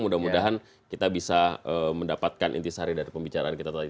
mudah mudahan kita bisa mendapatkan inti sari dari pembicaraan kita tadi